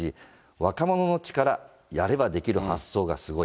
若者の力、やればできる発想すごい。